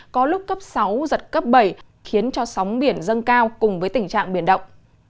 có lúc cấp sáu giật cấp bảy khiến cho sóng biển dâng cao cùng với tình trạng biển động